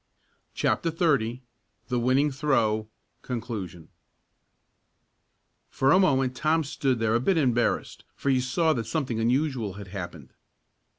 CHAPTER XXX THE WINNING THROW CONCLUSION For a moment Tom stood there a bit embarrassed, for he saw that something unusual had happened.